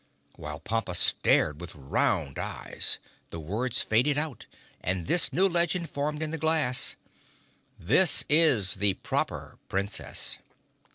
While Pompa stared with round eyes the words faded out and this new legend formed in the glass: This is the Proper Princess.